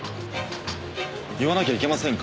言わなきゃいけませんか？